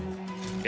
え？